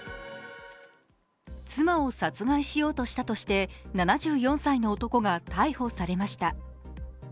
妻を殺害しようとしたとして７４歳の男が逮捕されました。